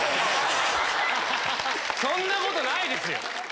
そんなことないですよ。